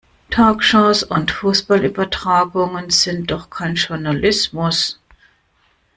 Talkshows und Fußballübertragungen sind doch kein Journalismus!